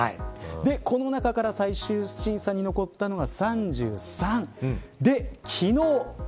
この中から最終審査に残ったのは３３。